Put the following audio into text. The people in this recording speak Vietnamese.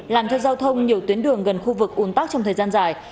làm cho giao thông nhiều tuyến đường gần khu vực bùn tác trong thời gian dài